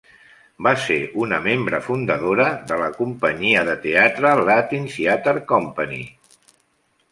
Va ser una membre fundadora de la companyia de teatre Latino Theater Company.